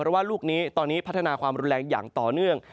เพราะว่าลูกนี้ตอนนี้พัฒนาความรุนแรงอย่างต่อเนื่อง